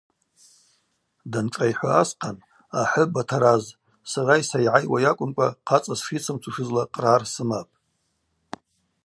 Даншӏайхӏва асхъан: Ахӏы, Батараз, сара йсайгӏайуа йакӏвымкӏва хъацӏа сшйыцымцушызла кърар сымапӏ.